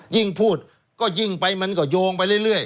ยิ่งพูดก็ยิ่งไปมันก็โยงไปเรื่อย